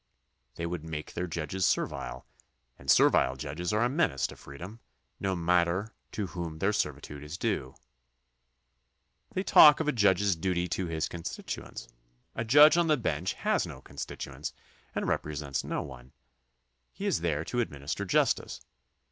They would make their judges servile, and servile judges are a menace to freedom, no matter to whom their servitude is due. They talk of a judge's duty to his constituents. A judge on the bench has no con stituents and represents no one. He is there to ad minister justice.